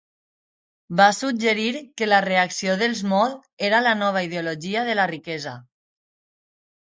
Va suggerir que la reacció dels Mod era a la nova ideologia de la riquesa.